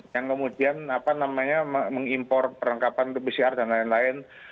yang kemudian apa namanya mengimpor perlengkapan ke pcr dan lain lain